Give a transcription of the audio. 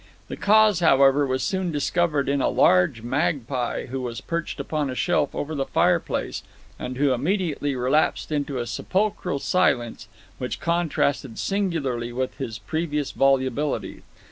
The cause, however, was soon discovered in a large magpie who was perched upon a shelf over the fireplace, and who immediately relapsed into a sepulchral silence which contrasted singularly with his previous volubility.